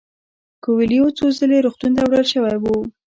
کویلیو څو ځله روغتون ته وړل شوی و.